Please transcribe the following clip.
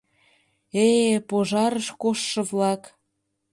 Э-э, пожарыш коштшо-влак...»